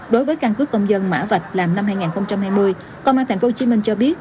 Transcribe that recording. đối với căn cước công dân mã vạch làm năm hai nghìn hai mươi công an tp hcm cho biết